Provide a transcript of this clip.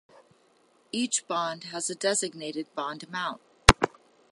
Each bond has a designated bond amount.